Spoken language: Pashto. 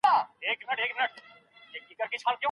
هغه بې وزلې خوارځواکي جامې اغوستې وې.